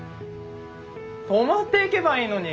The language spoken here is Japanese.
泊まっていけばいいのに。